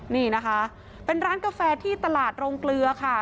นี่นะคะเป็นร้านกาแฟที่ตลาดโรงเกลือค่ะ